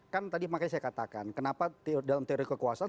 kan tadi makanya saya katakan kenapa dalam teori kekuasaan